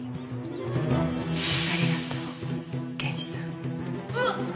ありがとう刑事さん。